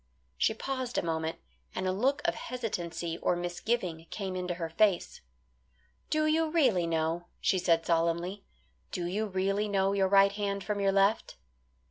She paused a moment, and a look of hesitancy or misgiving came into her face. "Do you really know," she said solemnly, "do you really know your right hand from your left?"